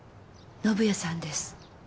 宣也さんです。